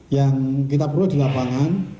yang kita perlu di lapangan